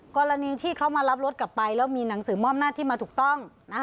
กรณีที่เขามารับรถกลับไปแล้วมีหนังสือมอบหน้าที่มาถูกต้อง